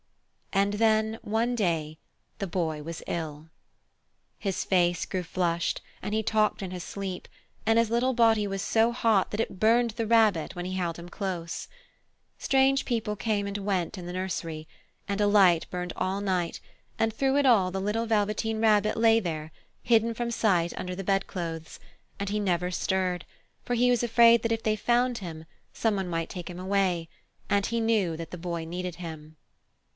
And then, one day, the Boy was ill. His face grew very flushed, and he talked in his sleep, and his little body was so hot that it burned the Rabbit when he held him close. Strange people came and went in the nursery, and a light burned all night and through it all the little Velveteen Rabbit lay there, hidden from sight under the bedclothes, and he never stirred, for he was afraid that if they found him some one might take him away, and he knew that the Boy needed him.